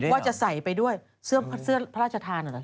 ว่าจะใส่ไปด้วยเสื้อพระราชทาน